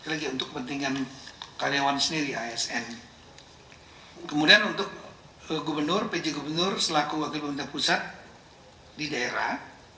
jadi gubernur selaku wakil pemerintah pusat di daerah